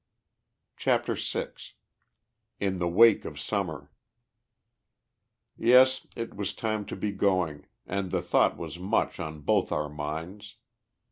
CHAPTER VI IN THE WAKE OF SUMMER Yes, it was time to be going, and the thought was much on both our minds.